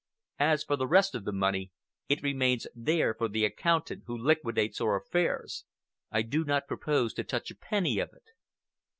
As for the rest of the money, it remains there for the accountant who liquidates our affairs. I do not propose to touch a penny of it."